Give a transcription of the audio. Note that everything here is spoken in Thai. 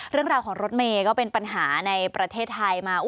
เรื่องราวของรถเมย์ก็เป็นปัญหาในประเทศไทยมา